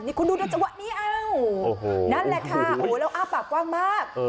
นี่คุณดูเจ้าวะนี่เอ้านั่นแหละค่ะแล้วอ้าปากกว้างมาก